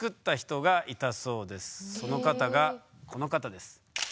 その方がこの方です。